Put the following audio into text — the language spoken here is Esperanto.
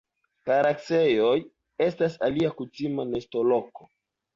Kareksejoj estas alia kutima nestoloko.